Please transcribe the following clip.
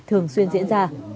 thường xuyên diễn ra